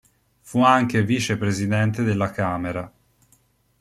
Fu anche vice presidente della Camera.